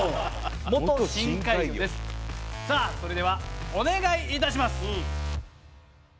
さあそれではお願いいたします。